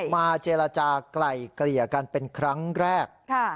มาเจรจากลายเกลี่ยกันเป็นครั้งแรก